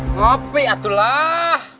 ngopi atuh lah